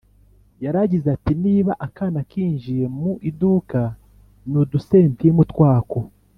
yaragize ati:'' niba akana kinjiye mu iduka n' udusentimu twako,